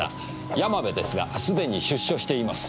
山部ですがすでに出所しています。